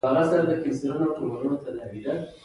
• رېل لیکو د ښارونو تر منځ ارتباط ټینګ کړ.